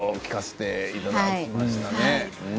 いいものを聴かせていただきましたね。